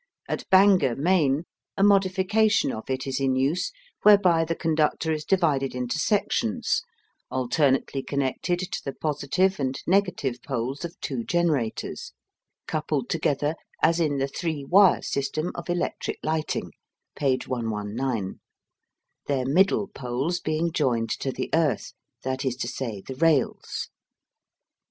At Bangor, Maine, a modification of it is in use whereby the conductor is divided into sections, alternately connected to the positive and negative poles of two generators, coupled together as in the "three wire system" of electric lighting (page 119), their middle poles being joined to the earth that is to say, the rails.